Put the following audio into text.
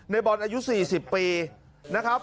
ในบอลอายุ๔๐ปีนะครับ